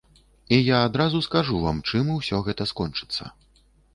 І я адразу скажу вам, чым усё гэта скончыцца.